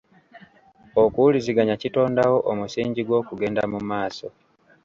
Okuwuliziganya kitondawo omusingi gw'okugenda mu maaso.